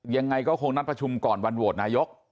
ยังไงก็คงนัดประชุมก่อนวันโหวตนายก